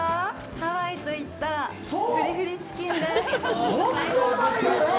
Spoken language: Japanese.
ハワイといったらフリフリチキンです。